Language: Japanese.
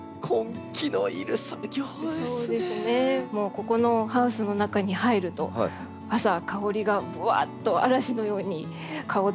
ここのハウスの中に入ると朝香りがぶわっと嵐のように香ってきまして。